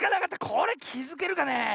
これきづけるかねえ。